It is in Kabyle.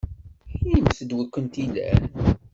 Inimt-d wi kent-ilan!